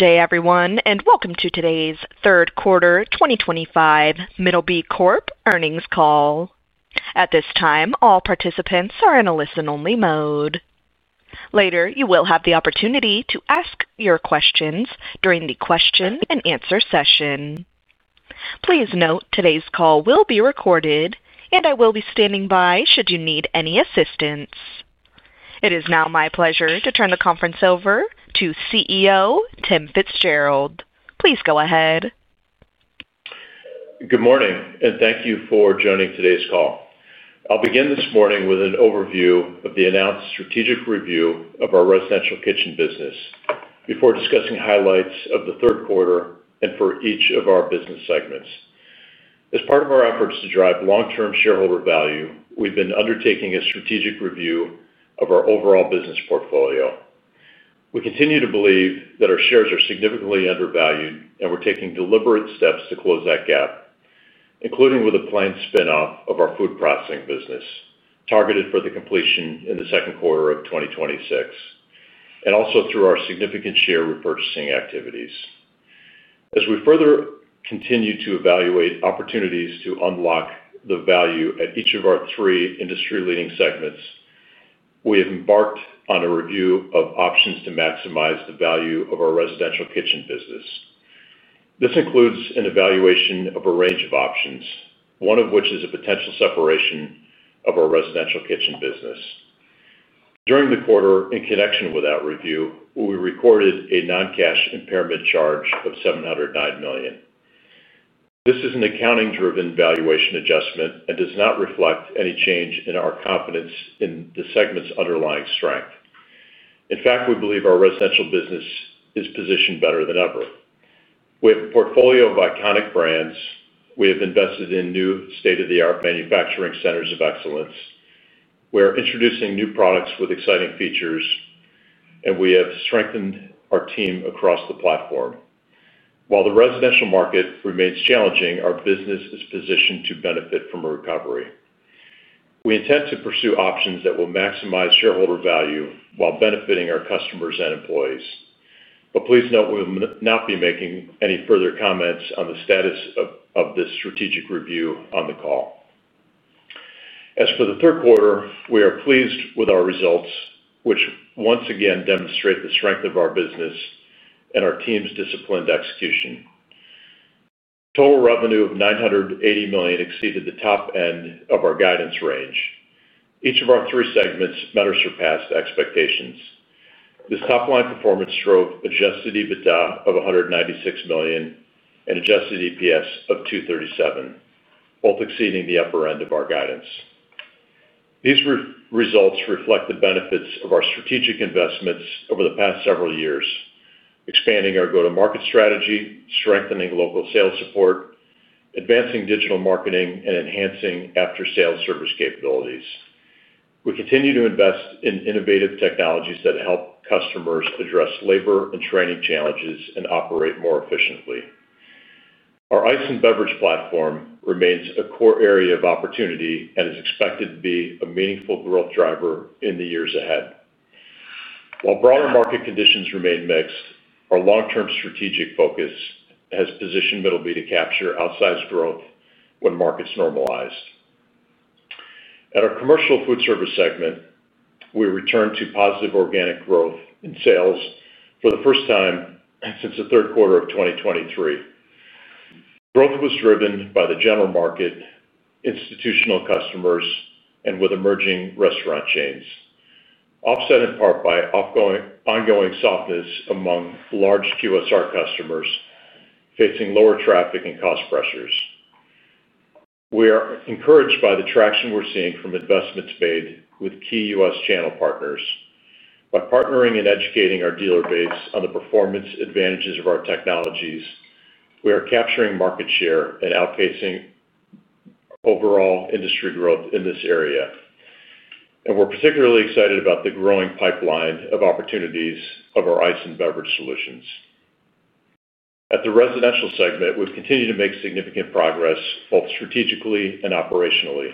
Good day, everyone, and welcome to today's third quarter 2025 Middleby earnings call. At this time, all participants are in a listen-only mode. Later, you will have the opportunity to ask your questions during the question-and-answer session. Please note today's call will be recorded, and I will be standing by should you need any assistance. It is now my pleasure to turn the conference over to CEO Tim Fitzgerald. Please go ahead. Good morning, and thank you for joining today's call. I'll begin this morning with an overview of the announced strategic review of our Residential Kitchen business before discussing highlights of the third quarter and for each of our business segments. As part of our efforts to drive long-term shareholder value, we've been undertaking a strategic review of our overall business portfolio. We continue to believe that our shares are significantly undervalued, and we're taking deliberate steps to close that gap, including with a planned spin-off of our Food Processing business targeted for completion in the second quarter of 2026, and also through our significant share repurchasing activities. As we further continue to evaluate opportunities to unlock the value at each of our three industry-leading segments, we have embarked on a review of options to maximize the value of our Residential Kitchen business. This includes an evaluation of a range of options, one of which is a potential separation of our Residential Kitchen business. During the quarter, in connection with that review, we recorded a non-cash impairment charge of $709 million. This is an accounting-driven valuation adjustment and does not reflect any change in our confidence in the segment's underlying strength. In fact, we believe our residential business is positioned better than ever. We have a portfolio of iconic brands. We have invested in new state-of-the-art manufacturing centers of excellence. We are introducing new products with exciting features, and we have strengthened our team across the platform. While the residential market remains challenging, our business is positioned to benefit from a recovery. We intend to pursue options that will maximize shareholder value while benefiting our customers and employees. Please note we will not be making any further comments on the status of this strategic review on the call. As for the third quarter, we are pleased with our results, which once again demonstrate the strength of our business and our team's disciplined execution. Total revenue of $980 million exceeded the top end of our guidance range. Each of our three segments surpassed expectations. This top-line performance drove adjusted EBITDA of $196 million and adjusted EPS of $2.37, both exceeding the upper end of our guidance. These results reflect the benefits of our strategic investments over the past several years, expanding our go-to-market strategy, strengthening local sales support, advancing digital marketing, and enhancing after-sales service capabilities. We continue to invest in innovative technologies that help customers address labor and training challenges and operate more efficiently. Our ice and beverage platform remains a core area of opportunity and is expected to be a meaningful growth driver in the years ahead. While broader market conditions remain mixed, our long-term strategic focus has positioned Middleby to capture outsized growth when markets normalize. At our Commercial Foodservice segment, we returned to positive organic growth in sales for the first time since the third quarter of 2023. Growth was driven by the general market, institutional customers, and with emerging restaurant chains, offset in part by ongoing softness among large QSR customers facing lower traffic and cost pressures. We are encouraged by the traction we're seeing from investments made with key U.S. channel partners. By partnering and educating our dealer base on the performance advantages of our technologies, we are capturing market share and outpacing overall industry growth in this area. We are particularly excited about the growing pipeline of opportunities of our ice and beverage solutions. At the residential segment, we have continued to make significant progress both strategically and operationally.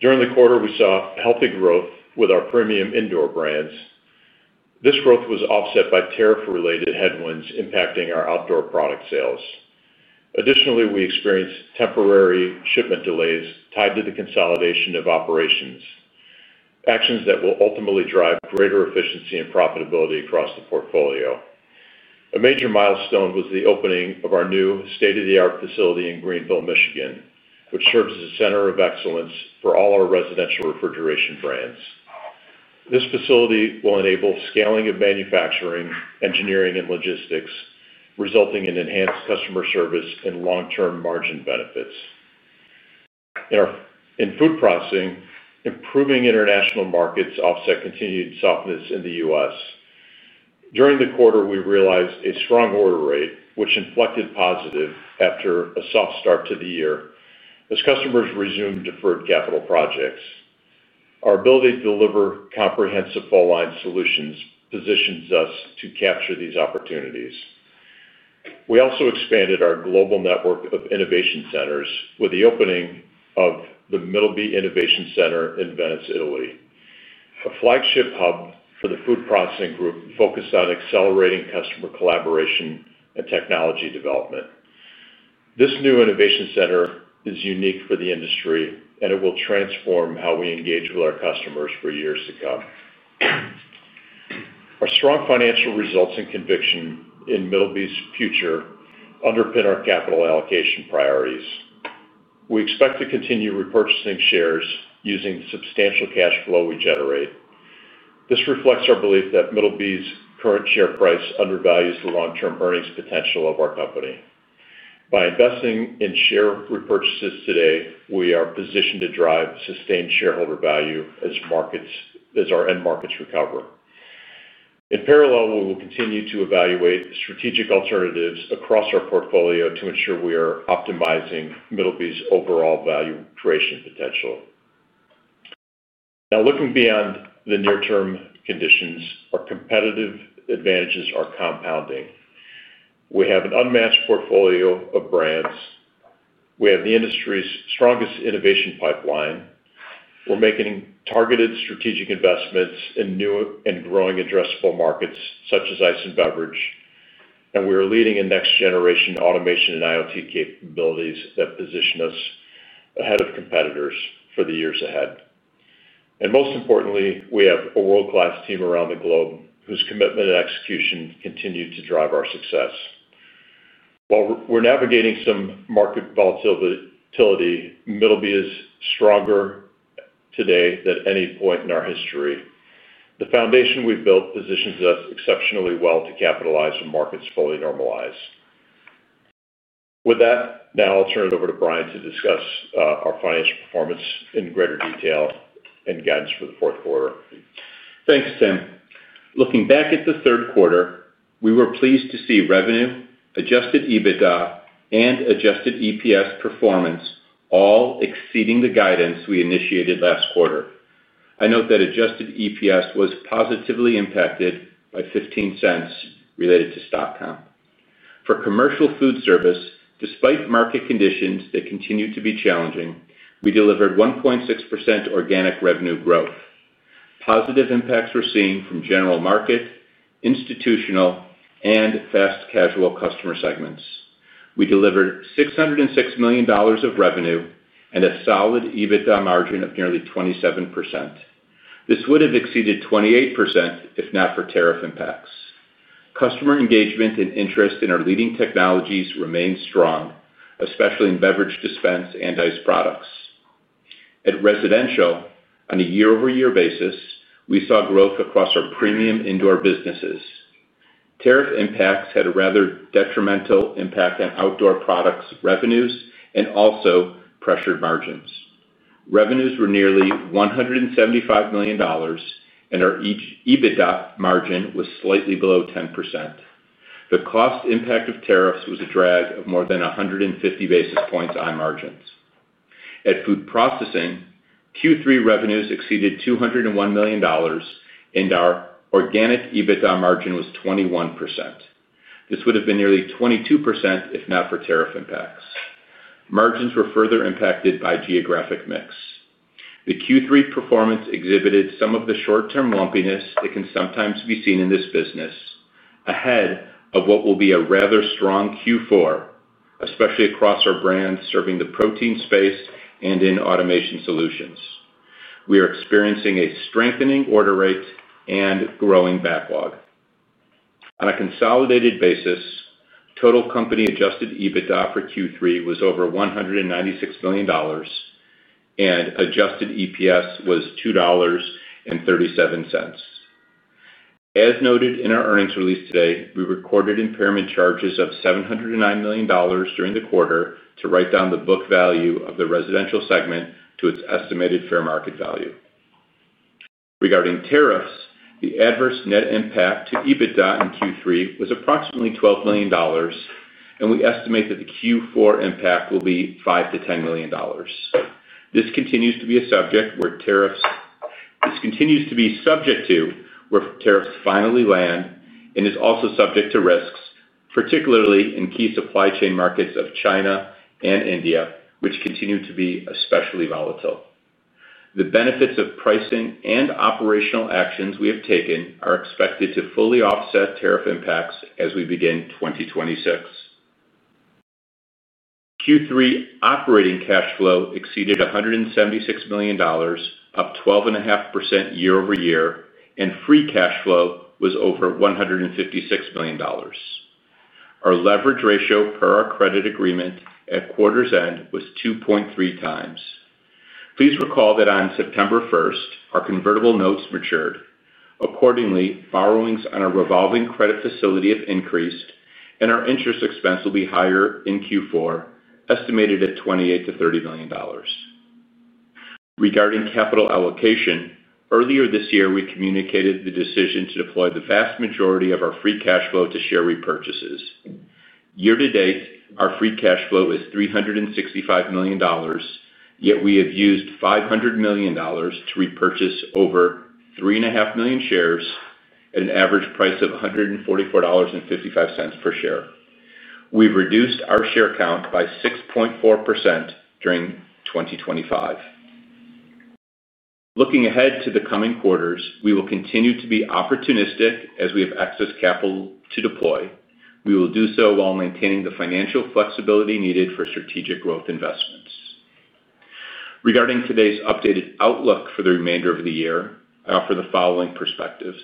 During the quarter, we saw healthy growth with our premium indoor brands. This growth was offset by tariff-related headwinds impacting our outdoor product sales. Additionally, we experienced temporary shipment delays tied to the consolidation of operations, actions that will ultimately drive greater efficiency and profitability across the portfolio. A major milestone was the opening of our new state-of-the-art facility in Greenville, Michigan, which serves as a center of excellence for all our residential refrigeration brands. This facility will enable scaling of manufacturing, engineering, and logistics, resulting in enhanced customer service and long-term margin benefits. In Food Processing, improving international markets offset continued softness in the U.S. During the quarter, we realized a strong order rate, which inflected positive after a soft start to the year as customers resumed deferred capital projects. Our ability to deliver comprehensive full-line solutions positions us to capture these opportunities. We also expanded our global network of innovation centers with the opening of the Middleby Innovation Center in Venice, Italy. A flagship hub for the Food Processing group focused on accelerating customer collaboration and technology development. This new innovation center is unique for the industry, and it will transform how we engage with our customers for years to come. Our strong financial results and conviction in Middleby's future underpin our capital allocation priorities. We expect to continue repurchasing shares using substantial cash flow we generate. This reflects our belief that Middleby's current share price undervalues the long-term earnings potential of our company. By investing in share repurchases today, we are positioned to drive sustained shareholder value as our end markets recover. In parallel, we will continue to evaluate strategic alternatives across our portfolio to ensure we are optimizing Middleby's overall value creation potential. Now, looking beyond the near-term conditions, our competitive advantages are compounding. We have an unmatched portfolio of brands. We have the industry's strongest innovation pipeline. We are making targeted strategic investments in new and growing addressable markets such as ice and beverage. We are leading in next-generation automation and IoT capabilities that position us ahead of competitors for the years ahead. Most importantly, we have a world-class team around the globe whose commitment and execution continue to drive our success. While we are navigating some market volatility, Middleby is stronger today than any point in our history. The foundation we've built positions us exceptionally well to capitalize when markets fully normalize. With that, now I'll turn it over to Bryan to discuss our financial performance in greater detail and guidance for the fourth quarter. Thanks, Tim. Looking back at the third quarter, we were pleased to see revenue, adjusted EBITDA, and adjusted EPS performance all exceeding the guidance we initiated last quarter. I note that adjusted EPS was positively impacted by $0.15 related to stock comp. For Commercial Foodservice, despite market conditions that continue to be challenging, we delivered 1.6% organic revenue growth. Positive impacts were seen from general market, institutional, and fast casual customer segments. We delivered $606 million of revenue and a solid EBITDA margin of nearly 27%. This would have exceeded 28% if not for tariff impacts. Customer engagement and interest in our leading technologies remained strong, especially in beverage dispense and ice products. At residential, on a year-over-year basis, we saw growth across our premium indoor businesses. Tariff impacts had a rather detrimental impact on outdoor products' revenues and also pressured margins. Revenues were nearly $175 million, and our EBITDA margin was slightly below 10%. The cost impact of tariffs was a drag of more than 150 basis points on margins. At Food Processing, Q3 revenues exceeded $201 million, and our organic EBITDA margin was 21%. This would have been nearly 22% if not for tariff impacts. Margins were further impacted by geographic mix. The Q3 performance exhibited some of the short-term lumpiness that can sometimes be seen in this business. Ahead of what will be a rather strong Q4, especially across our brand serving the protein space and in automation solutions. We are experiencing a strengthening order rate and growing backlog. On a consolidated basis, total company adjusted EBITDA for Q3 was over $196 million. Adjusted EPS was $2.37. As noted in our earnings release today, we recorded impairment charges of $709 million during the quarter to write down the book value of the residential segment to its estimated fair market value. Regarding tariffs, the adverse net impact to EBITDA in Q3 was approximately $12 million. We estimate that the Q4 impact will be $5-$10 million. This continues to be a subject where tariffs—this continues to be subject to where tariffs finally land—and is also subject to risks, particularly in key supply chain markets of China and India, which continue to be especially volatile. The benefits of pricing and operational actions we have taken are expected to fully offset tariff impacts as we begin 2026. Q3 operating cash flow exceeded $176 million, up 12.5% year-over-year, and free cash flow was over $156 million. Our leverage ratio per our credit agreement at quarter's end was 2.3 times. Please recall that on September 1, our convertible notes matured. Accordingly, borrowings on our revolving credit facility have increased, and our interest expense will be higher in Q4, estimated at $28-$30 million. Regarding capital allocation, earlier this year, we communicated the decision to deploy the vast majority of our free cash flow to share repurchases. Year to date, our free cash flow is $365 million, yet we have used $500 million to repurchase over 3.5 million shares at an average price of $144.55 per share. We've reduced our share count by 6.4% during 2025. Looking ahead to the coming quarters, we will continue to be opportunistic as we have excess capital to deploy. We will do so while maintaining the financial flexibility needed for strategic growth investments. Regarding today's updated outlook for the remainder of the year, I offer the following perspectives.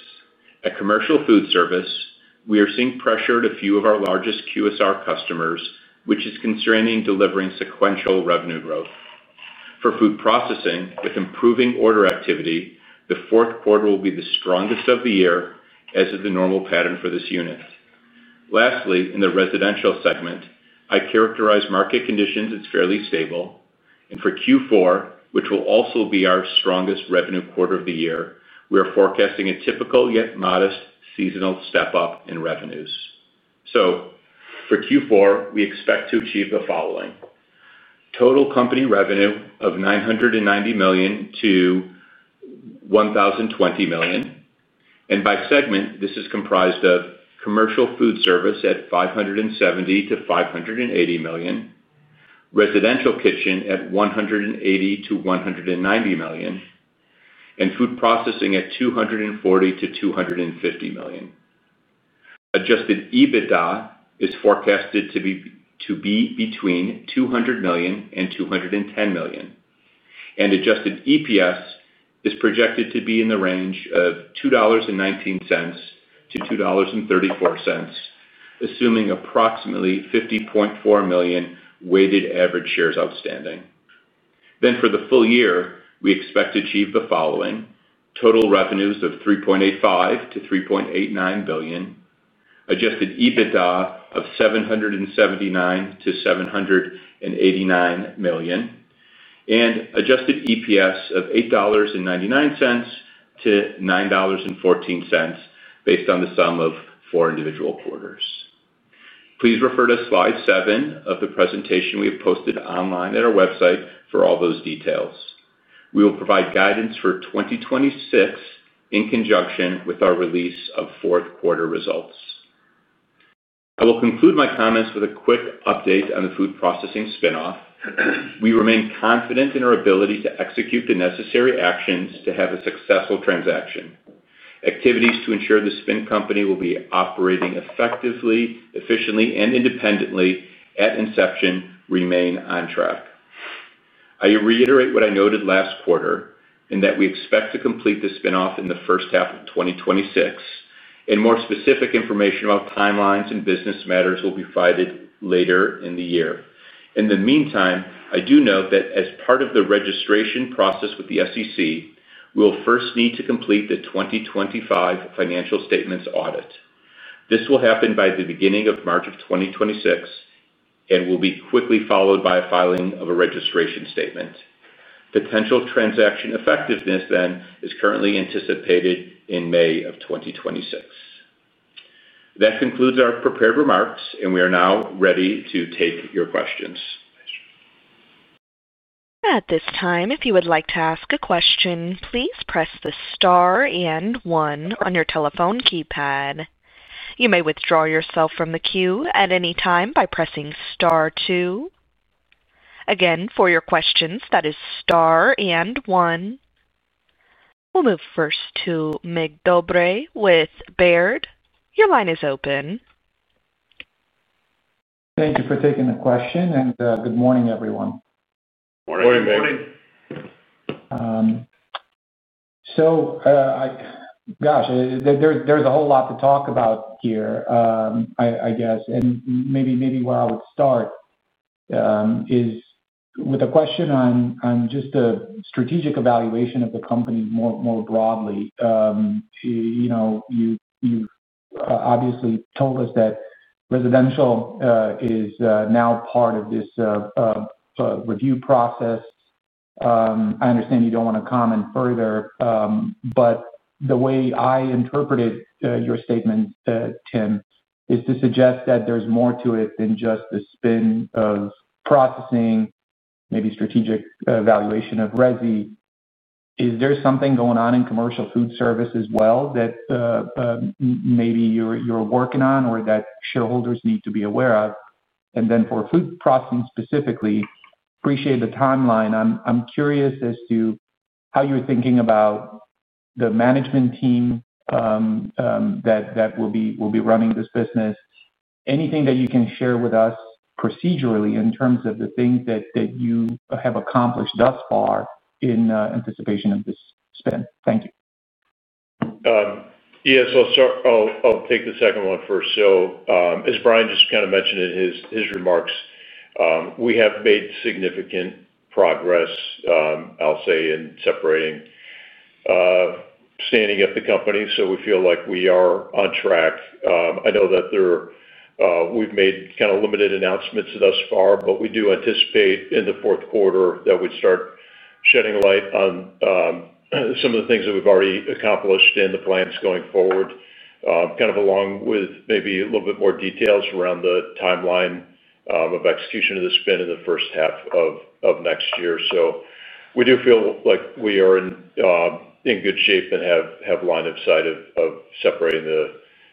At Commercial Foodservice, we are seeing pressure to a few of our largest QSR customers, which is constraining delivering sequential revenue growth. For Food Processing, with improving order activity, the fourth quarter will be the strongest of the year as is the normal pattern for this unit. Lastly, in the residential segment, I characterize market conditions as fairly stable. For Q4, which will also be our strongest revenue quarter of the year, we are forecasting a typical yet modest seasonal step-up in revenues. For Q4, we expect to achieve the following. Total company revenue of $990 million-$1,020 million. By segment, this is comprised of Commercial Foodservice at $570-$580 million, Residential Kitchen at $180-$190 million, and Food Processing at $240-$250 million. Adjusted EBITDA is forecasted to be between $200 million and $210 million. Adjusted EPS is projected to be in the range of $2.19-$2.34, assuming approximately 50.4 million weighted average shares outstanding. For the full year, we expect to achieve the following: total revenues of $3.85-$3.89 billion, adjusted EBITDA of $779-$789 million, and adjusted EPS of $8.99-$9.14 based on the sum of four individual quarters. Please refer to slide 7 of the presentation we have posted online at our website for all those details. We will provide guidance for 2026 in conjunction with our release of fourth quarter results. I will conclude my comments with a quick update on the Food Processing spin-off. We remain confident in our ability to execute the necessary actions to have a successful transaction. Activities to ensure the spin company will be operating effectively, efficiently, and independently at inception remain on track. I reiterate what I noted last quarter in that we expect to complete the spinoff in the first half of 2026. More specific information about timelines and business matters will be provided later in the year. In the meantime, I do note that as part of the registration process with the SEC, we will first need to complete the 2025 financial statements audit. This will happen by the beginning of March of 2026. It will be quickly followed by a filing of a registration statement. Potential transaction effectiveness then is currently anticipated in May of 2026. That concludes our prepared remarks, and we are now ready to take your questions. At this time, if you would like to ask a question, please press the star and one on your telephone keypad. You may withdraw yourself from the queue at any time by pressing star two. Again, for your questions, that is star and one. We'll move first to Mick Dobray with Baird. Your line is open. Thank you for taking the question, and good morning, everyone. Morning, Mick. Morning. Gosh. There's a whole lot to talk about here, I guess. Maybe where I would start is with a question on just the strategic evaluation of the company more broadly. You obviously told us that residential is now part of this review process. I understand you don't want to comment further, but the way I interpreted your statement, Tim, is to suggest that there's more to it than just the spin of processing, maybe strategic evaluation of Rezi. Is there something going on in Commercial Foodservice as well that maybe you're working on or that shareholders need to be aware of? For Food Processing specifically, appreciate the timeline. I'm curious as to how you're thinking about the management team that will be running this business. Anything that you can share with us procedurally in terms of the things that you have accomplished thus far in anticipation of this spin? Thank you. Yeah. I'll take the second one first. As Bryan just kind of mentioned in his remarks, we have made significant progress, I'll say, in separating, standing up the company. We feel like we are on track. I know that we've made kind of limited announcements thus far, but we do anticipate in the fourth quarter that we'd start shedding light on some of the things that we've already accomplished and the plans going forward, kind of along with maybe a little bit more details around the timeline of execution of the spin in the first half of next year. We do feel like we are in good shape and have line of sight of separating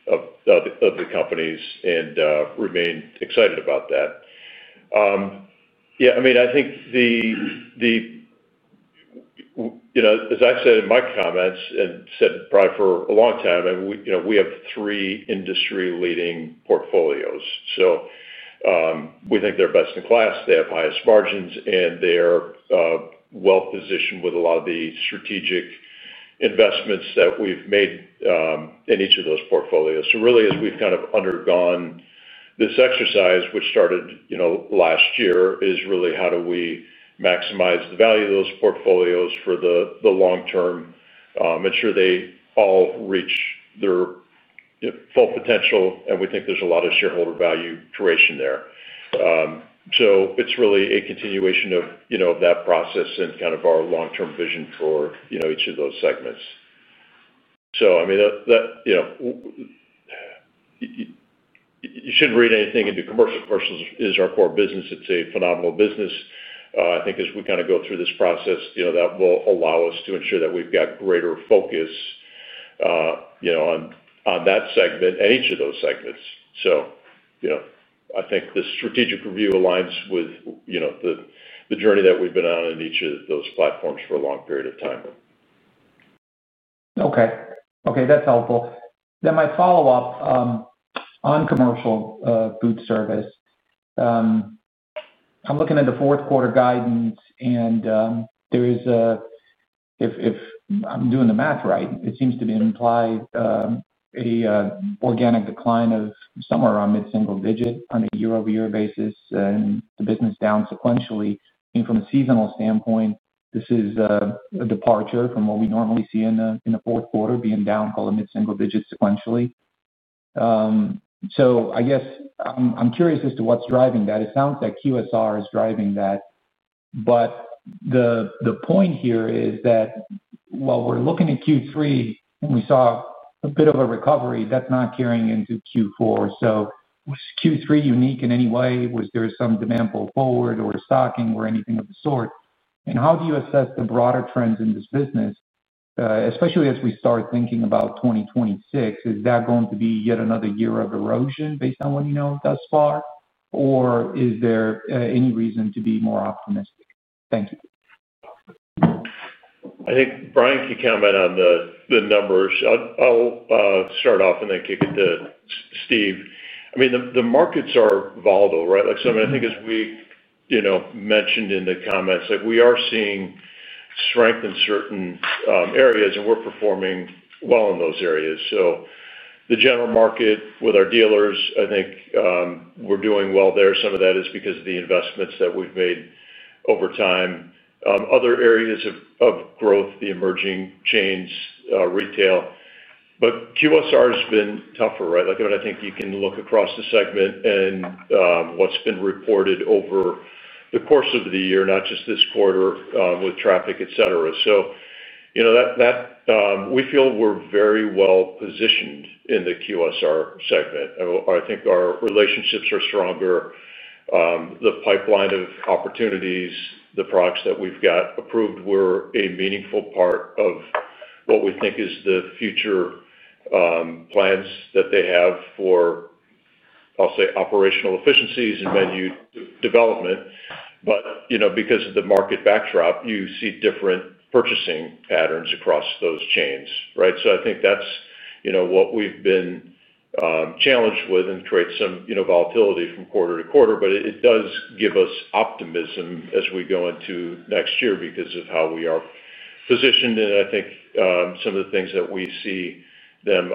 the companies and remain excited about that. Yeah. I mean, I think, as I've said in my comments and said probably for a long time, we have three industry-leading portfolios. We think they're best in class. They have highest margins, and they're well-positioned with a lot of the strategic investments that we've made in each of those portfolios. Really, as we've kind of undergone this exercise, which started last year, it's really how do we maximize the value of those portfolios for the long term, make sure they all reach their full potential, and we think there's a lot of shareholder value creation there. It's really a continuation of that process and kind of our long-term vision for each of those segments. I mean, you shouldn't read anything into commercial. Commercial is our core business. It's a phenomenal business. I think as we kind of go through this process, that will allow us to ensure that we've got greater focus on that segment and each of those segments. I think the strategic review aligns with. The journey that we've been on in each of those platforms for a long period of time. Okay. Okay. That's helpful. My follow-up on Commercial Foodservice. I'm looking at the fourth quarter guidance, and there is, if I'm doing the math right, it seems to imply an organic decline of somewhere around mid-single digit on a year-over-year basis and the business down sequentially. I mean, from a seasonal standpoint, this is a departure from what we normally see in the fourth quarter being down, called a mid-single digit sequentially. I guess I'm curious as to what's driving that. It sounds like QSR is driving that. The point here is that while we're looking at Q3, and we saw a bit of a recovery, that's not carrying into Q4. Was Q3 unique in any way? Was there some demand pulled forward or stocking or anything of the sort? How do you assess the broader trends in this business. Especially as we start thinking about 2026? Is that going to be yet another year of erosion based on what we know thus far? Or is there any reason to be more optimistic? Thank you. I think Bryan can comment on the numbers. I'll start off and then kick it to Steve. I mean, the markets are volatile, right? I mean, I think as we mentioned in the comments, we are seeing strength in certain areas, and we're performing well in those areas. The general market with our dealers, I think we're doing well there. Some of that is because of the investments that we've made over time. Other areas of growth, the emerging chains, retail. QSR has been tougher, right? I mean, I think you can look across the segment and what's been reported over the course of the year, not just this quarter with traffic, etc. We feel we're very well positioned in the QSR segment. I think our relationships are stronger. The pipeline of opportunities, the products that we've got approved were a meaningful part of what we think is the future. Plans that they have for, I'll say, operational efficiencies and menu development. Because of the market backdrop, you see different purchasing patterns across those chains, right? I think that's what we've been challenged with and creates some volatility from quarter to quarter. It does give us optimism as we go into next year because of how we are positioned. I think some of the things that we see them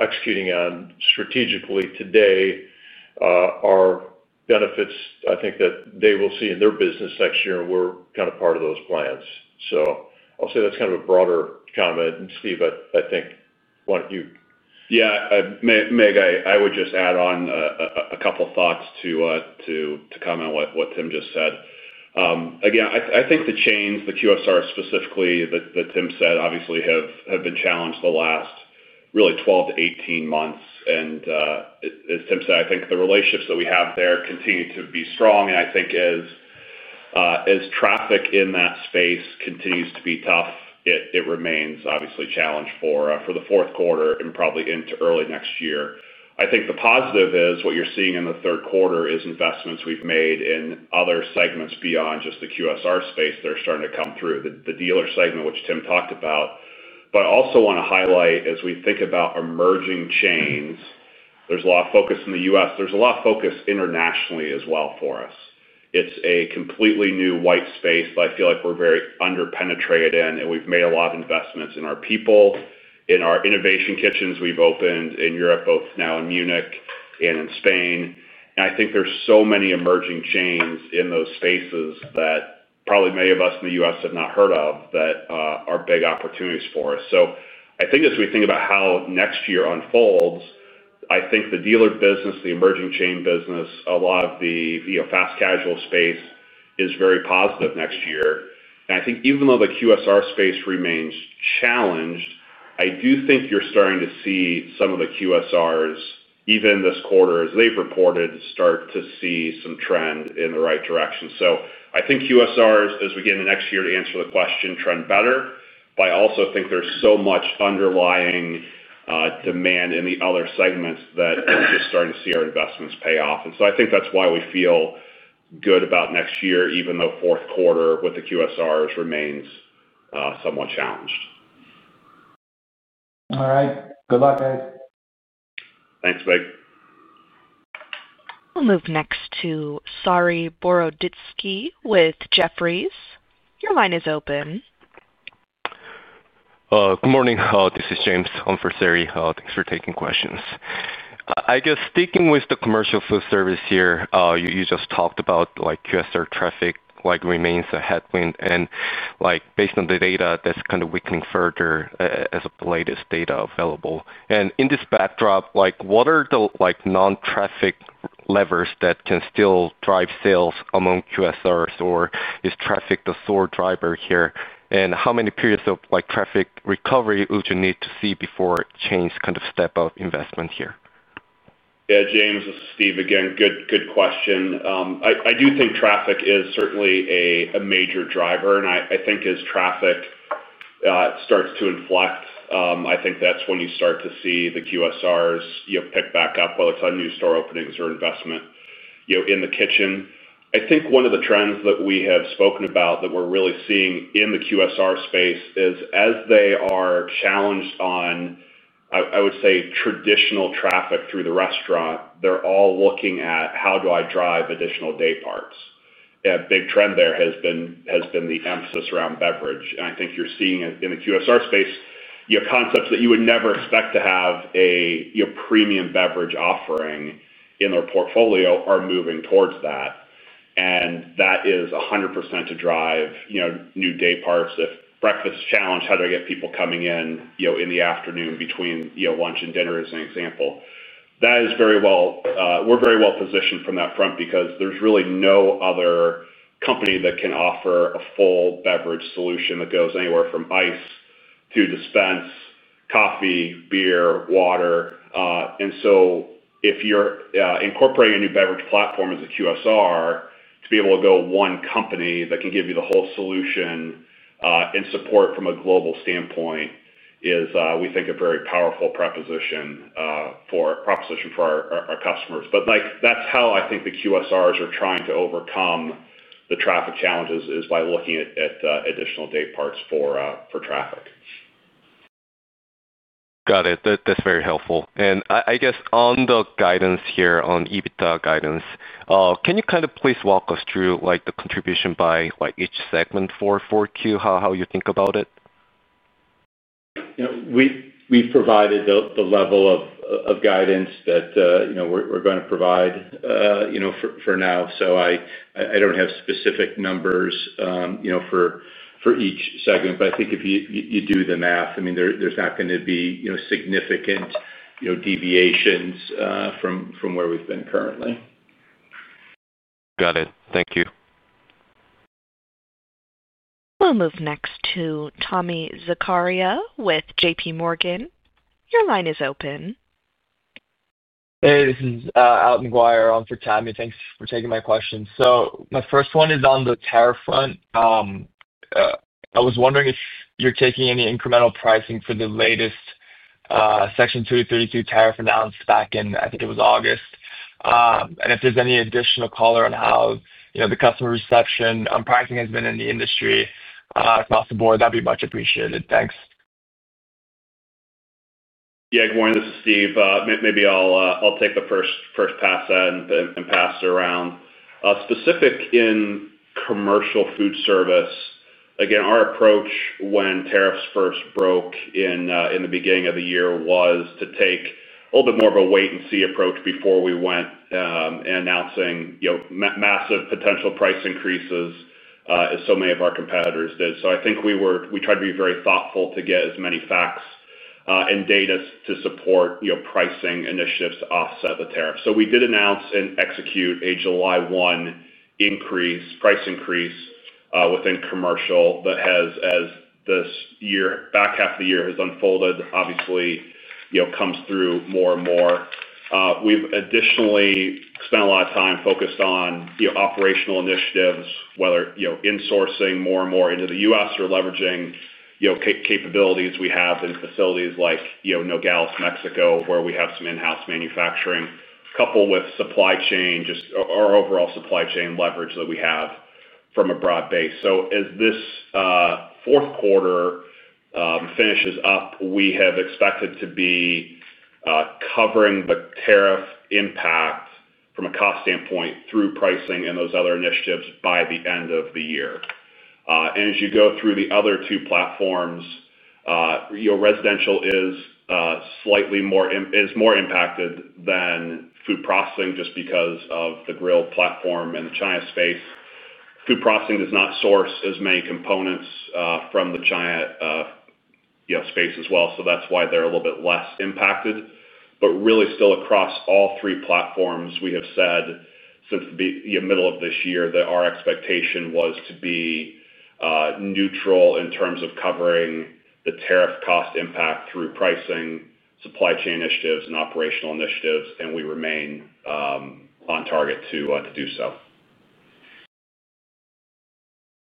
executing on strategically today are benefits I think that they will see in their business next year, and we're kind of part of those plans. I'll say that's kind of a broader comment. Steve, I think, why don't you? Yeah. Mick, I would just add on a couple of thoughts to comment on what Tim just said. Again, I think the chains, the QSR specifically that Tim said, obviously have been challenged the last really 12 to 18 months. As Tim said, I think the relationships that we have there continue to be strong. I think as traffic in that space continues to be tough, it remains obviously a challenge for the fourth quarter and probably into early next year. I think the positive is what you're seeing in the third quarter is investments we've made in other segments beyond just the QSR space that are starting to come through the dealer segment, which Tim talked about. I also want to highlight as we think about emerging chains, there's a lot of focus in the U.S. There's a lot of focus internationally as well for us. It's a completely new white space that I feel like we're very under-penetrated in, and we've made a lot of investments in our people, in our innovation kitchens we've opened in Europe, both now in Munich and in Spain. I think there's so many emerging chains in those spaces that probably many of us in the U.S. have not heard of that are big opportunities for us. I think as we think about how next year unfolds, I think the dealer business, the emerging chain business, a lot of the fast casual space is very positive next year. I think even though the QSR space remains challenged, I do think you're starting to see some of the QSRs, even this quarter, as they've reported, start to see some trend in the right direction. I think QSRs, as we get into next year, to answer the question, trend better. I also think there's so much underlying demand in the other segments that we're just starting to see our investments pay off. I think that's why we feel good about next year, even though fourth quarter with the QSRs remains somewhat challenged. All right. Good luck, guys. Thanks, Mick. We'll move next to Saree Boroditsky with Jefferies. Your line is open. Good morning. This is James. I'm for Saree. Thanks for taking questions. I guess sticking with the Commercial Foodservice here, you just talked about QSR traffic remains a headwind. Based on the data, that's kind of weakening further as of the latest data available. In this backdrop, what are the non-traffic levers that can still drive sales among QSRs, or is traffic the sole driver here? How many periods of traffic recovery would you need to see before chains kind of step out investment here? Yeah, James, this is Steve again. Good question. I do think traffic is certainly a major driver. I think as traffic starts to inflect, I think that's when you start to see the QSRs pick back up, whether it's on new store openings or investment in the kitchen. I think one of the trends that we have spoken about that we're really seeing in the QSR space is as they are challenged on, I would say, traditional traffic through the restaurant, they're all looking at how do I drive additional day parts. A big trend there has been the emphasis around beverage. I think you're seeing in the QSR space concepts that you would never expect to have a premium beverage offering in their portfolio are moving towards that. That is 100% to drive new day parts. Breakfast challenge, how do I get people coming in in the afternoon between lunch and dinner as an example. That is very well. We're very well positioned from that front because there's really no other company that can offer a full beverage solution that goes anywhere from ice to dispense, coffee, beer, water. If you're incorporating a new beverage platform as a QSR, to be able to go one company that can give you the whole solution. Support from a global standpoint is, we think, a very powerful proposition for our customers. That's how I think the QSRs are trying to overcome the traffic challenges is by looking at additional day parts for traffic. Got it. That's very helpful. I guess on the guidance here, on EBITDA guidance, can you kind of please walk us through the contribution by each segment for Q, how you think about it? We've provided the level of guidance that we're going to provide for now. So I don't have specific numbers for each segment. But I think if you do the math, I mean, there's not going to be significant deviations from where we've been currently. Got it. Thank you. We'll move next to Tommy Zakaria with JPMorgan. Your line is open. Hey, this is Alton Guire. I'm for Tommy. Thanks for taking my questions. My first one is on the tariff front. I was wondering if you're taking any incremental pricing for the latest Section 232 tariff announced back in, I think it was August. If there's any additional color on how the customer reception on pricing has been in the industry across the board, that'd be much appreciated. Thanks. Yeah, good morning. This is Steve. Maybe I'll take the first pass and pass it around. Specific in Commercial Foodservice, again, our approach when tariffs first broke in the beginning of the year was to take a little bit more of a wait-and-see approach before we went and announcing massive potential price increases as so many of our competitors did. I think we tried to be very thoughtful to get as many facts and data to support pricing initiatives to offset the tariff. We did announce and execute a July 1 price increase within commercial that has, as this back half of the year has unfolded, obviously, come through more and more. We've additionally spent a lot of time focused on operational initiatives, whether insourcing more and more into the U.S. or leveraging. Capabilities we have in facilities like Nogales, Mexico, where we have some in-house manufacturing, coupled with supply chain, just our overall supply chain leverage that we have from a broad base. As this fourth quarter finishes up, we have expected to be covering the tariff impact from a cost standpoint through pricing and those other initiatives by the end of the year. As you go through the other two platforms, residential is slightly more impacted than Food Processing just because of the grill platform and the China space. Food processing does not source as many components from the China space as well. That is why they are a little bit less impacted. Really, still across all three platforms, we have said since the middle of this year that our expectation was to be. Neutral in terms of covering the tariff cost impact through pricing, supply chain initiatives, and operational initiatives. We remain on target to do so.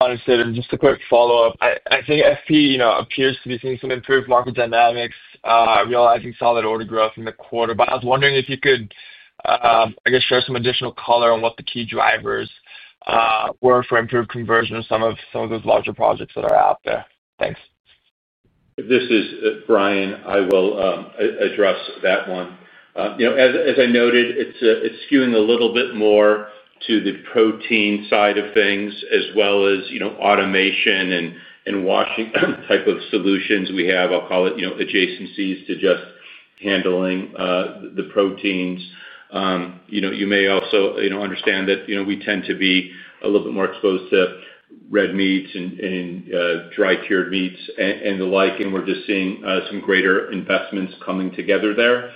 Honestly, just a quick follow-up. I think FP appears to be seeing some improved market dynamics, realizing solid order growth in the quarter. I was wondering if you could, I guess, share some additional color on what the key drivers were for improved conversion of some of those larger projects that are out there. Thanks. If this is Bryan, I will address that one. As I noted, it is skewing a little bit more to the protein side of things as well as automation and washing type of solutions. We have, I will call it, adjacencies to just handling the proteins. You may also understand that we tend to be a little bit more exposed to red meats and dry-cured meats and the like. We are just seeing some greater investments coming together there.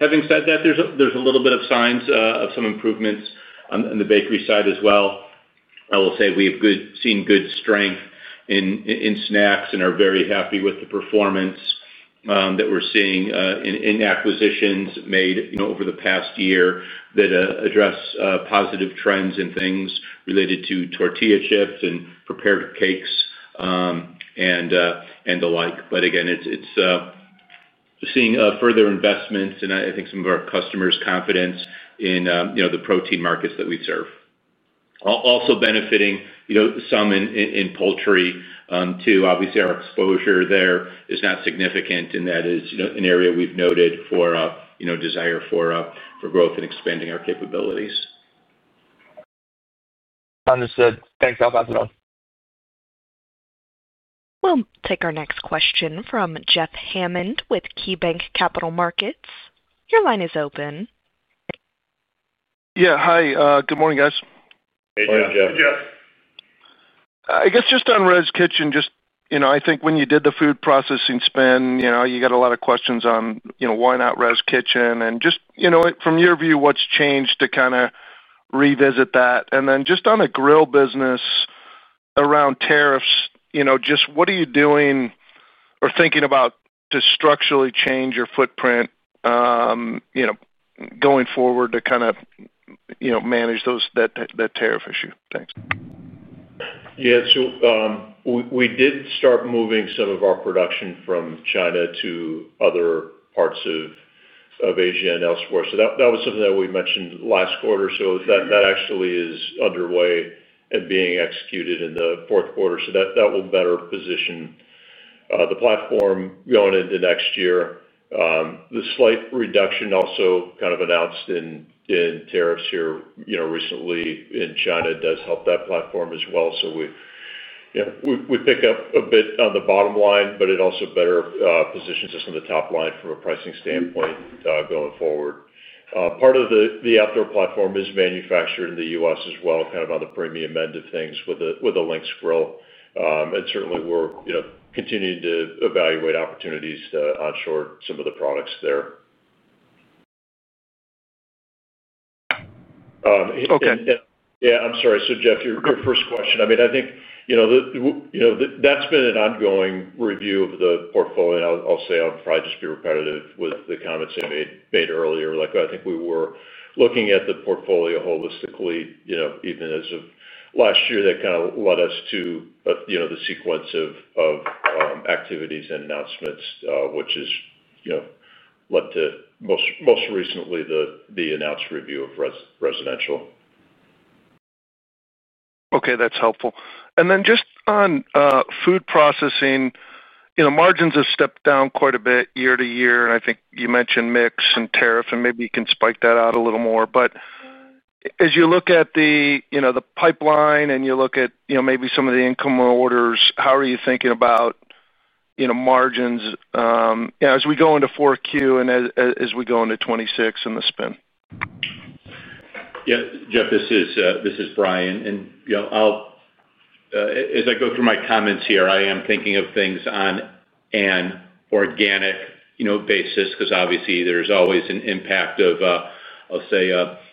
Having said that, there are a little bit of signs of some improvements on the bakery side as well. I will say we have seen good strength in snacks and are very happy with the performance that we are seeing in acquisitions made over the past year that address positive trends in things related to tortilla chips and prepared cakes and the like. Again, it is. Seeing further investments and I think some of our customers' confidence in the protein markets that we serve. Also benefiting some in poultry too. Obviously, our exposure there is not significant, and that is an area we've noted for desire for growth and expanding our capabilities. Understood. Thanks. I'll pass it on. We'll take our next question from Jeff Hammond with KeyBanc Capital Markets. Your line is open. Yeah. Hi. Good morning, guys. Hey, Jeff. Hey, Jeff. I guess just on Res Kitchen, just I think when you did the Food Processing spin, you got a lot of questions on why not Res Kitchen. Just from your view, what's changed to kind of revisit that? Then just on the grill business, around tariffs, just what are you doing or thinking about to structurally change your footprint going forward to kind of manage that tariff issue? Thanks. Yeah. We did start moving some of our production from China to other parts of Asia and elsewhere. That was something that we mentioned last quarter. That actually is underway and being executed in the fourth quarter. That will better position the platform going into next year. The slight reduction also kind of announced in tariffs here recently in China does help that platform as well. We pick up a bit on the bottom line, but it also better positions us on the top line from a pricing standpoint going forward. Part of the outdoor platform is manufactured in the U.S. as well, kind of on the premium end of things with a Lynx Grill. Certainly, we're continuing to evaluate opportunities to onshore some of the products there. Yeah, I'm sorry. Jeff, your first question, I mean, I think. That's been an ongoing review of the portfolio. I'll say I'll probably just be repetitive with the comments I made earlier. I think we were looking at the portfolio holistically, even as of last year, that kind of led us to the sequence of activities and announcements, which has led to most recently the announced review of residential. Okay. That's helpful. Then just on Food Processing, margins have stepped down quite a bit year to year. I think you mentioned mix and tariff, and maybe you can spike that out a little more. As you look at the pipeline and you look at maybe some of the incoming orders, how are you thinking about margins as we go into Q4 and as we go into 2026 and the spin? Yeah. Jeff, this is Bryan. As I go through my comments here, I am thinking of things on an organic basis because obviously, there's always an impact of, I'll say,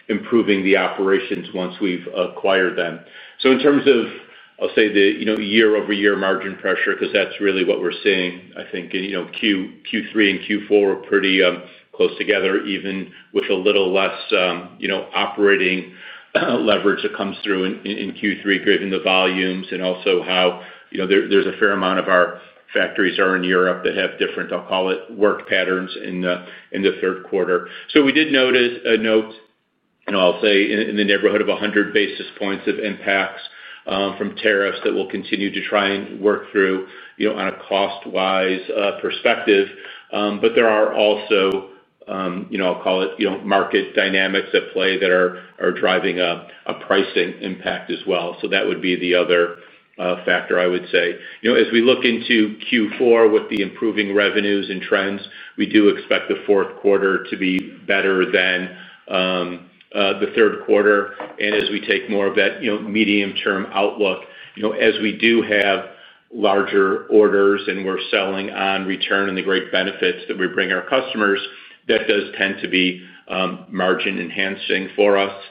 improving the operations once we've acquired them. In terms of, I'll say, the year-over-year margin pressure, because that's really what we're seeing, I think Q3 and Q4 were pretty close together, even with a little less operating leverage that comes through in Q3, gripping the volumes and also how there's a fair amount of our factories that are in Europe that have different, I'll call it, work patterns in the third quarter. We did note, I'll say, in the neighborhood of 100 basis points of impacts from tariffs that we'll continue to try and work through on a cost-wise perspective. There are also, I'll call it, market dynamics at play that are driving a pricing impact as well. That would be the other factor, I would say. As we look into Q4 with the improving revenues and trends, we do expect the fourth quarter to be better than the third quarter. As we take more of that medium-term outlook, as we do have larger orders and we're selling on return and the great benefits that we bring our customers, that does tend to be margin-enhancing for us.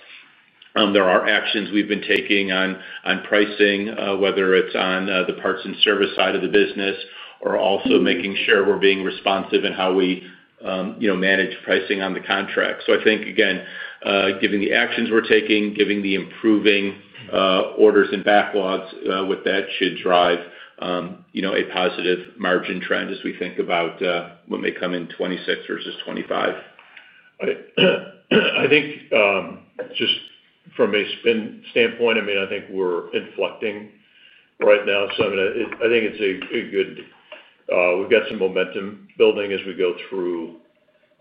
There are actions we've been taking on pricing, whether it's on the parts and service side of the business or also making sure we're being responsive in how we manage pricing on the contract. I think, again, given the actions we're taking, given the improving orders and backlogs, that should drive. A positive margin trend as we think about when we come in 2026 versus 2025. I think just from a spin standpoint, I mean, I think we're inflecting right now. I think it's good. We've got some momentum building as we go through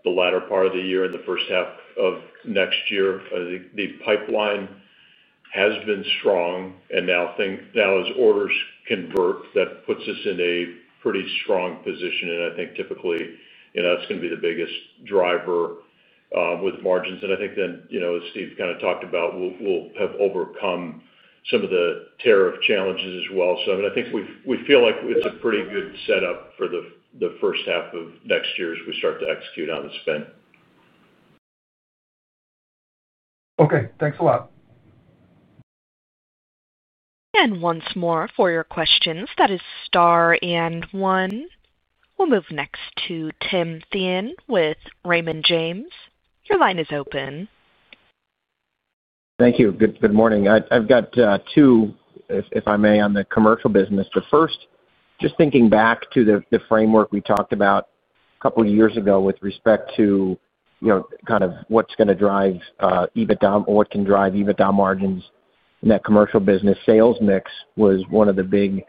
the latter part of the year and the first half of next year. I think the pipeline has been strong. Now, as orders convert, that puts us in a pretty strong position. I think typically that's going to be the biggest driver with margins. I think then, as Steve kind of talked about, we'll have overcome some of the tariff challenges as well. I mean, I think we feel like it's a pretty good setup for the first half of next year as we start to execute on the spin. Okay. Thanks a lot. Once more for your questions, that is star and one. We'll move next to Tim Thien with Raymond James. Your line is open. Thank you. Good morning. I've got two, if I may, on the commercial business. The first, just thinking back to the framework we talked about a couple of years ago with respect to kind of what's going to drive EBITDA or what can drive EBITDA margins in that commercial business, sales mix was one of the big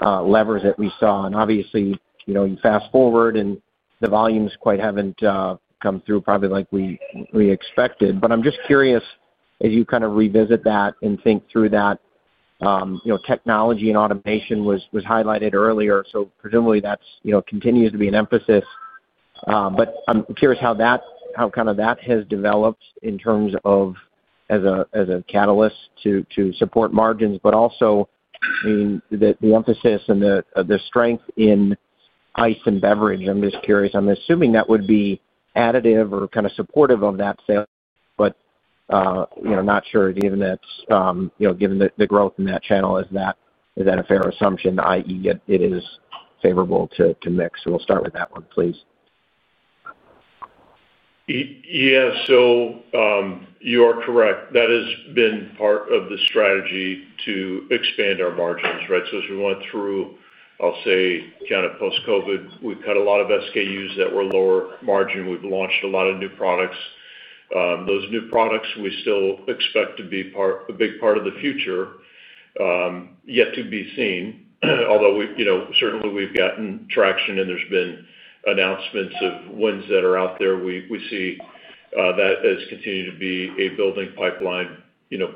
levers that we saw. Obviously, you fast forward and the volumes quite haven't come through probably like we expected. I'm just curious, as you kind of revisit that and think through that. Technology and automation was highlighted earlier. Presumably, that continues to be an emphasis. I'm curious how kind of that has developed in terms of as a catalyst to support margins, but also, I mean, the emphasis and the strength in ice and beverage. I'm just curious. I'm assuming that would be additive or kind of supportive of that sale, but not sure. Given that, the growth in that channel, is that a fair assumption, i.e., it is favorable to mix? We'll start with that one, please. Yeah. You are correct. That has been part of the strategy to expand our margins, right? As we went through, I'll say, kind of post-COVID, we've cut a lot of SKUs that were lower margin. We've launched a lot of new products. Those new products, we still expect to be a big part of the future. Yet to be seen. Although certainly, we've gotten traction and there's been announcements of wins that are out there. We see that as continuing to be a building pipeline,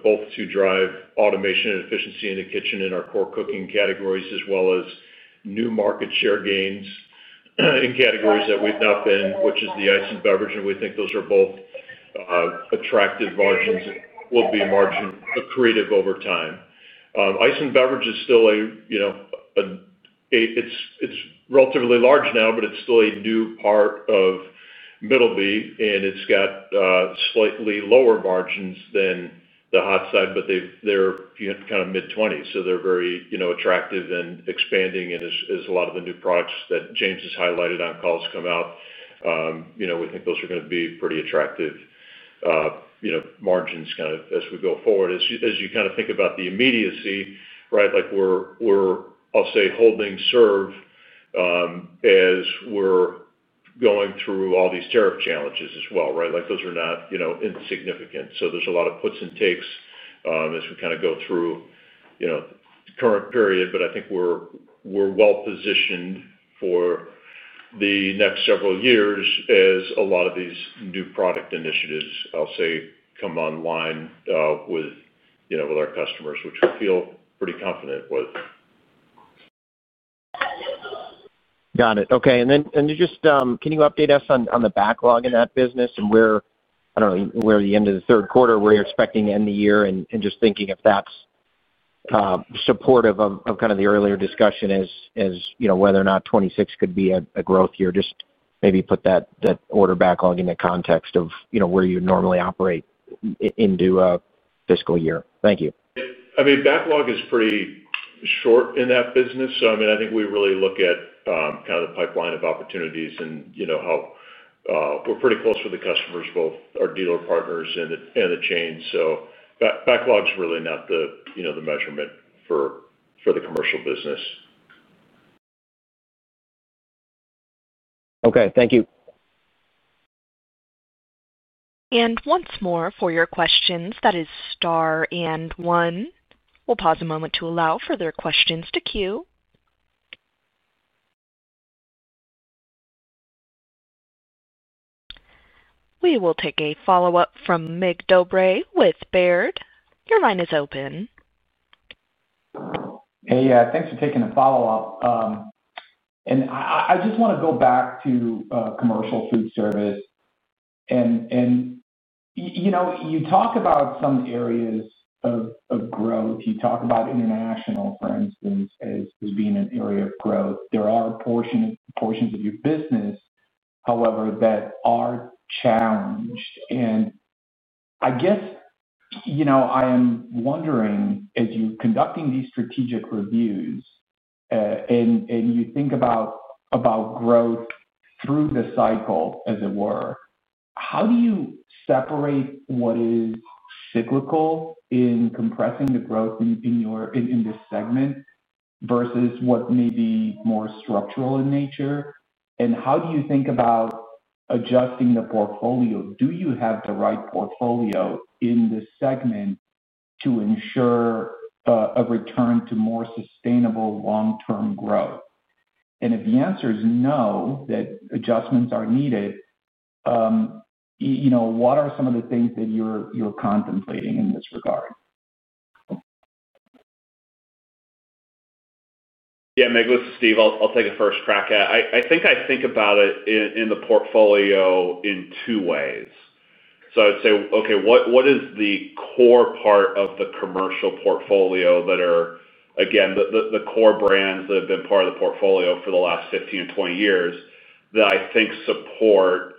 both to drive automation and efficiency in the kitchen in our core cooking categories, as well as new market share gains. In categories that we've not been, which is the ice and beverage. We think those are both attractive margins and will be accretive over time. Ice and beverage is still a. It's relatively large now, but it's still a new part of Middleby. And it's got slightly lower margins than the hot side, but they're kind of mid-20s. So they're very attractive and expanding. And as a lot of the new products that James has highlighted on calls come out, we think those are going to be pretty attractive margins kind of as we go forward. As you kind of think about the immediacy, right? We're, I'll say, holding serve as we're going through all these tariff challenges as well, right? Those are not insignificant. So there's a lot of puts and takes as we kind of go through the current period. But I think we're well-positioned for the next several years as a lot of these new product initiatives, I'll say, come online with our customers, which we feel pretty confident with. Got it. Okay. Can you update us on the backlog in that business and where, I don't know, where the end of the third quarter, where you're expecting to end the year, and just thinking if that's supportive of kind of the earlier discussion as to whether or not 2026 could be a growth year? Just maybe put that order backlog in the context of where you normally operate into a fiscal year. Thank you. I mean, backlog is pretty short in that business. I mean, I think we really look at kind of the pipeline of opportunities and how. We're pretty close with the customers, both our dealer partners and the chains. Backlog is really not the measurement for the commercial business. Okay. Thank you. Once more for your questions, that is star and one. We'll pause a moment to allow further questions to queue. We will take a follow-up from Mick Dobray with Baird. Your line is open. Hey, yeah. Thanks for taking the follow-up. I just want to go back to Commercial Foodservice. You talk about some areas of growth. You talk about international, for instance, as being an area of growth. There are portions of your business, however, that are challenged. I guess I am wondering, as you're conducting these strategic reviews, as you think about growth through the cycle, as it were, how do you separate what is cyclical in compressing the growth in this segment versus what may be more structural in nature? How do you think about adjusting the portfolio? Do you have the right portfolio in this segment to ensure a return to more sustainable long-term growth? If the answer is no, that adjustments are needed, what are some of the things that you're contemplating in this regard? Yeah, Mick, this is Steve. I'll take a first crack at it. I think about it in the portfolio in two ways. I would say, okay, what is the core part of the commercial portfolio that are, again, the core brands that have been part of the portfolio for the last 15 or 20 years that I think support.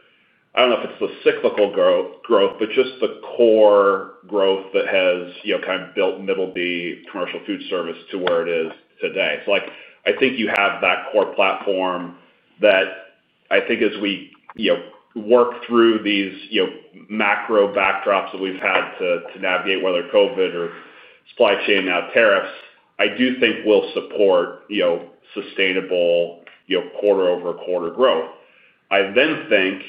I don't know if it's the cyclical growth, but just the core growth that has kind of built Middleby Commercial Foodservice to where it is today. You have that core platform that I think as we work through these macro backdrops that we've had to navigate, whether COVID or supply chain, now tariffs, I do think will support sustainable quarter-over-quarter growth. I then think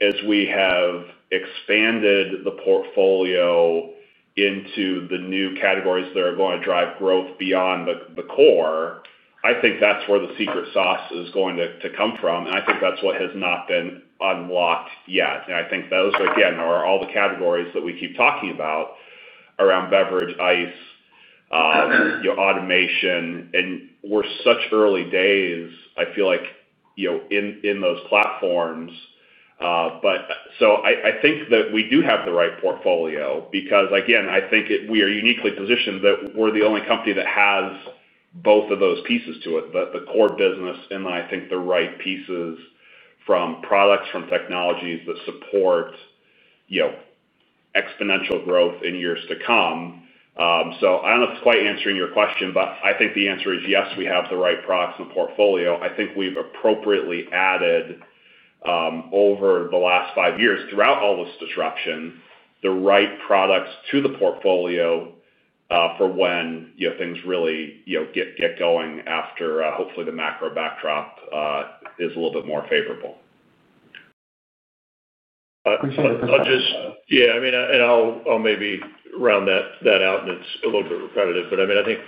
as we have expanded the portfolio. Into the new categories that are going to drive growth beyond the core, I think that's where the secret sauce is going to come from. I think that's what has not been unlocked yet. I think those, again, are all the categories that we keep talking about. Around beverage, ice, automation. We're such early days, I feel like, in those platforms. I think that we do have the right portfolio because, again, I think we are uniquely positioned that we're the only company that has both of those pieces to it, the core business, and I think the right pieces from products, from technologies that support exponential growth in years to come. I don't know if it's quite answering your question, but I think the answer is yes, we have the right products in the portfolio. I think we've appropriately added. Over the last five years throughout all this disruption, the right products to the portfolio. For when things really get going after hopefully the macro backdrop is a little bit more favorable. Yeah. I mean, and I'll maybe round that out, and it's a little bit repetitive. I mean, I think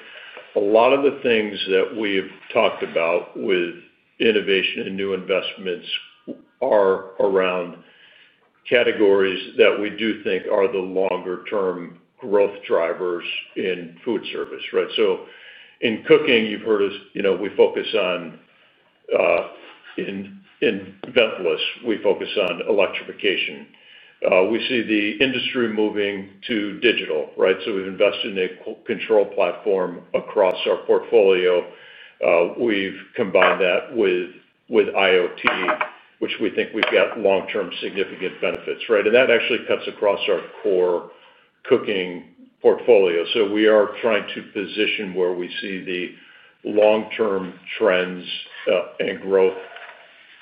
a lot of the things that we've talked about with innovation and new investments are around categories that we do think are the longer-term growth drivers in food service, right? In cooking, you've heard us, we focus on. In ventless, we focus on electrification. We see the industry moving to digital, right? We've invested in a control platform across our portfolio. We've combined that with IoT, which we think we've got long-term significant benefits, right? That actually cuts across our core cooking portfolio. We are trying to position where we see the. Long-term trends and growth.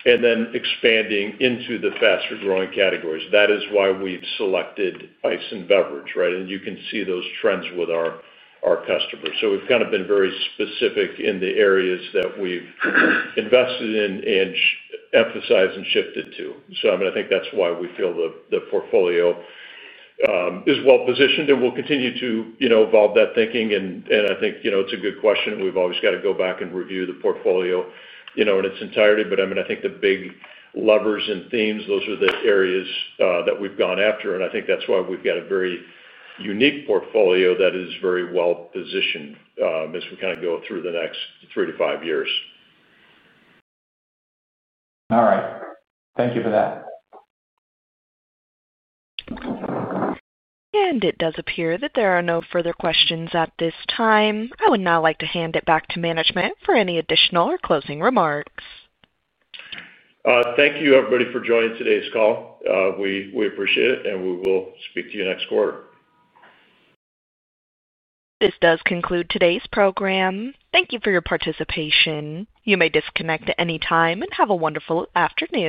Then expanding into the faster-growing categories. That is why we've selected ice and beverage, right? You can see those trends with our customers. We've kind of been very specific in the areas that we've invested in and emphasized and shifted to. I mean, I think that's why we feel the portfolio is well-positioned. We'll continue to evolve that thinking. I think it's a good question. We've always got to go back and review the portfolio in its entirety. I mean, I think the big levers and themes, those are the areas that we've gone after. I think that's why we've got a very unique portfolio that is very well-positioned as we kind of go through the next three to five years. All right. Thank you for that. It does appear that there are no further questions at this time. I would now like to hand it back to management for any additional or closing remarks. Thank you, everybody, for joining today's call. We appreciate it. We will speak to you next quarter. This does conclude today's program. Thank you for your participation. You may disconnect at any time and have a wonderful afternoon.